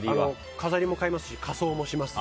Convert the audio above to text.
飾りも買いますし仮装もします